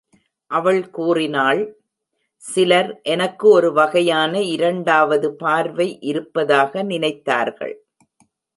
அவள் கூறினாள்: சிலர் எனக்கு ஒரு வகையான இரண்டாவது பார்வை இருப்பதாக நினைத்தார்கள்.